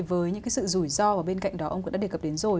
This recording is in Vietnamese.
với những cái sự rủi ro và bên cạnh đó ông cũng đã đề cập đến rồi